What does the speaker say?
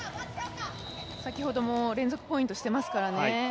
先ほども連続ポイントしてますからね